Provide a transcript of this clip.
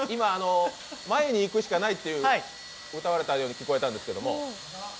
前に行くしかないって歌われたように思ったんですけど。